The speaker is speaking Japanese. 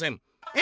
「え？